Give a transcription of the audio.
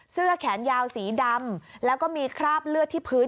เสื้อแขนยาวสีดำแล้วก็มีคราบเลือดที่พื้น